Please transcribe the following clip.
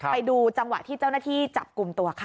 ไปดูจังหวะที่เจ้าหน้าที่จับกลุ่มตัวค่ะ